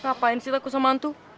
ngapain sih aku sama hantu